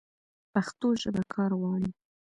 پښتو ژبه کار غواړي.